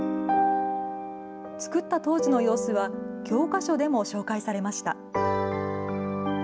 作った当時の様子は教科書でも紹介されました。